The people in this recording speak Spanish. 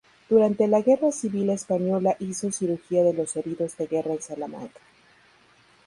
Durante la guerra civil española hizo cirugía de los heridos de guerra en Salamanca.